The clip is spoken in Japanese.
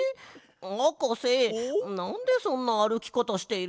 はかせなんでそんなあるきかたしているの？